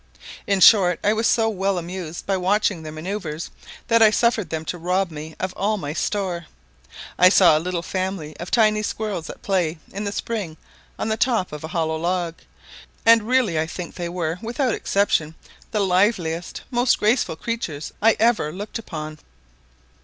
In short, I was so well amused by watching their manoeuvres that I suffered them to rob me of all my store. I saw a little family of tiny squirrels at play in the spring on the top of a hollow log, and really I think they were, without exception, the liveliest, most graceful creatures I ever looked upon.